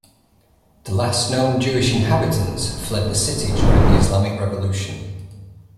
The last known Jewish inhabitants fled the city during the Islamic Revolution.